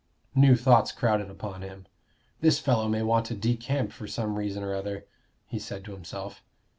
New thoughts crowded upon him. "This fellow may want to decamp for some reason or other," he said to himself.